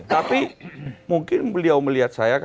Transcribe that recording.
tapi mungkin beliau melihat saya